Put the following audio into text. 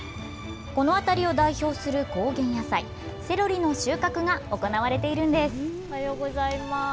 この辺りを代表する高原野菜、セロリの収穫が行われているんです。